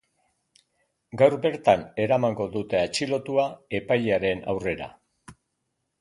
Gaur bertan eramango dute atxilotua epailearen aurrera.